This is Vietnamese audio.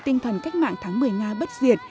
tinh thần cách mạng tháng một mươi nga bất diệt